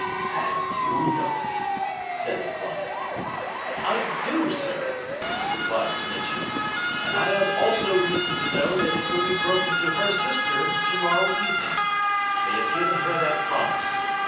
'And you know it?' said his client. 'I do, sir!' replied Snitchey; 'and I have also reason to know that it will be broken to her sister to morrow evening. They have given her that promise.